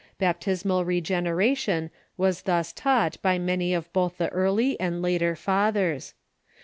Baptismal regeneration Avas thus taught by many of both the early and later Fathers.